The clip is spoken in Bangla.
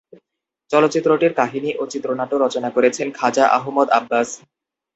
চলচ্চিত্রটির কাহিনি ও চিত্রনাট্য রচনা করেছেন খাজা আহমদ আব্বাস।